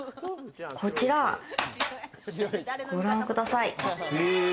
こちらご覧ください。